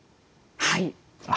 はい。